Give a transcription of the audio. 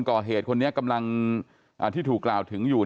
ก็เลยแบบงง